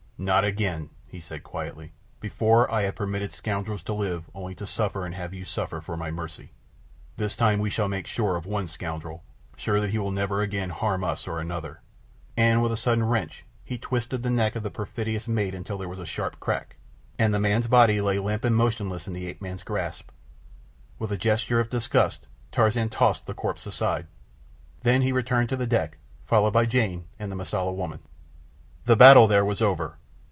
"Not again," he said quietly. "Before have I permitted scoundrels to live, only to suffer and to have you suffer for my mercy. This time we shall make sure of one scoundrel—sure that he will never again harm us or another," and with a sudden wrench he twisted the neck of the perfidious mate until there was a sharp crack, and the man's body lay limp and motionless in the ape man's grasp. With a gesture of disgust Tarzan tossed the corpse aside. Then he returned to the deck, followed by Jane and the Mosula woman. The battle there was over.